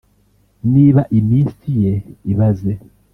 Niba iminsi ye ibaze